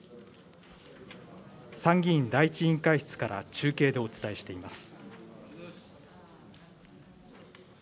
参議院第１委員会室から中継でお伝えしています。